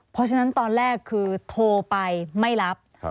เพราะฉะนั้นตอนแรกคือโทรไปไม่รับ